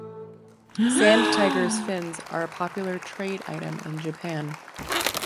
Sand tigers' fins are a popular trade item in Japan.